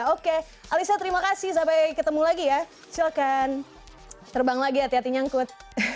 oke alisa terima kasih sampai ketemu lagi ya silahkan terbang lagi hati hati nyangkut